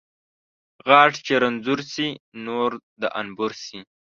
ـ غاښ چې رنځور شي ، نور د انبور شي .